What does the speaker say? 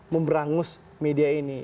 memberangus media ini